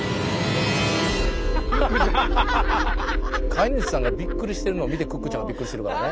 飼い主さんがびっくりしてるのを見てクックちゃんはびっくりしてるからね。